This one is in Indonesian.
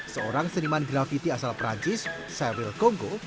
seorang seniman graffiti asal perancis syaril kongo